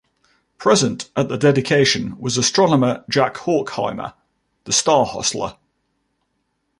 Present at the dedication was astronomer Jack Horkheimer--The Starhustler.